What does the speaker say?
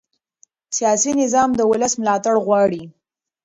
سیاسي نظام د ولس ملاتړ غواړي